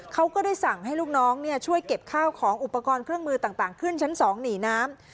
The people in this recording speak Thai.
เขาก็ได้สั่งให้ลูกน้องช่วยเก็บข้าวของอุปกรณ์เครื่องมือต่างขึ้นชั้น๒หนีน้ำ